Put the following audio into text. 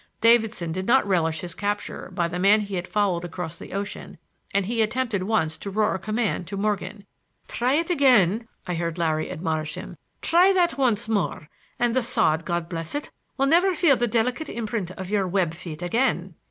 Davidson did not relish his capture by the man he had followed across the ocean, and he attempted once to roar a command to Morgan. "Try it again," I heard Larry admonish him, "try that once more, and The Sod, God bless it! will never feel the delicate imprint of your web feet again."